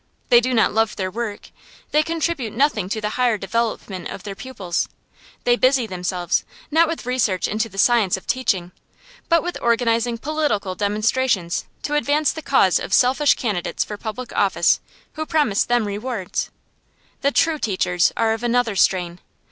They do not love their work. They contribute nothing to the higher development of their pupils. They busy themselves, not with research into the science of teaching, but with organizing political demonstrations to advance the cause of selfish candidates for public office, who promise them rewards. The true teachers are of another strain.